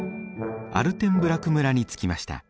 アルテンブラク村に着きました。